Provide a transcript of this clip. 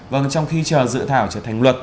vâng trong khi chờ dự thảo trở thành luật